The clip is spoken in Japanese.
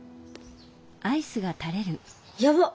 やばっ！